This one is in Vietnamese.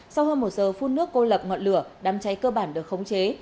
sau hơn một giờ phun nước cô lập ngọn lửa đám cháy cơ bản được khống chế